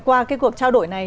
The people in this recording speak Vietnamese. qua cái cuộc trao đổi này